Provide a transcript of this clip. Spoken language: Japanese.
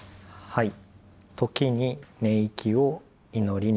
はい。